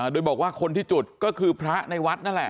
โดยบอกว่าคนที่จุดก็คือพระในวัดนั่นแหละ